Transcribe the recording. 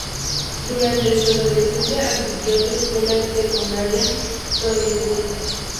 Durante su adolescencia asistió a la Escuela de Secundaria Solihull.